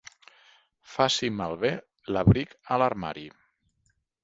Faci malbé l'abric a l'armari.